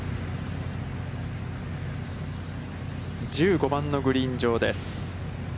１５番のグリーン上です。